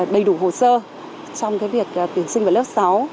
đầy đủ hồ sơ trong việc tuyển sinh vào lớp sáu